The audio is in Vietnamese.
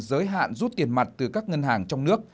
giới hạn rút tiền mặt từ các ngân hàng trong nước